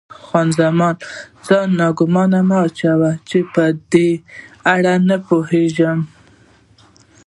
خان زمان: ځان ناګومانه مه اچوه، چې په دې اړه نه پوهېږې.